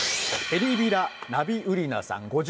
エリビラ・ナビウリナさん